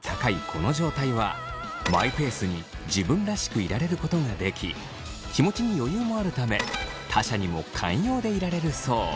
この状態はマイペースに自分らしくいられることができ気持ちに余裕もあるため他者にも寛容でいられるそう。